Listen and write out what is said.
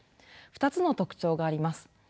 ２つの特徴があります。